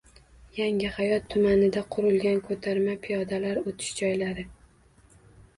Yangihayot tumanida qurilgan ko‘tarma piyodalar o‘tish joylari